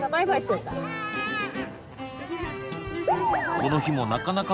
この日もなかなか